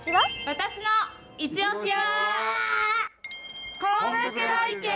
私のいちオシは。